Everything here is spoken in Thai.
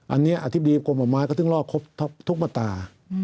อันนี้อธิบดีกลุ่มประมาณก็ต้องลอกครบทุกมาตรา